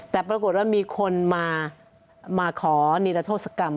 แต่ปรากฏว่ามีคนมาขอนิรโทษกรรม